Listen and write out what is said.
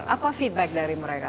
apa feedback dari mereka